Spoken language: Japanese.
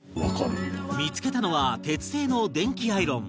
見付けたのは鉄製の電気アイロン